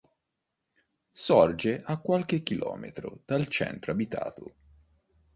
Sorge a qualche chilometro dal centro abitato.